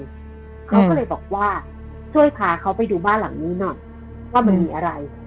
เขาก็เลยบอกว่าช่วยพาเขาไปดูบ้านหลังนี้หน่อยว่ามันมีอะไร